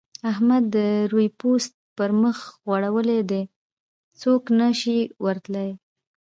احمد د روې پوست پر مخ غوړولی دی؛ څوک نه شي ور تلای.